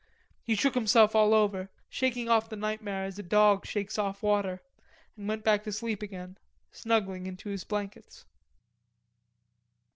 He shook himself all over, shaking off the nightmare as a dog shakes off water, and went back to sleep again, snuggling into his blankets.